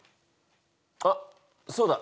あっそうだ！